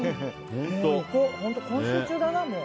本当、今週中だな、もう。